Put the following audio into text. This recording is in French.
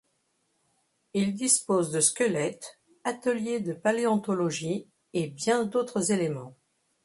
Il dispose de squelettes, atelier de paléontologie et bien d'autres éléments.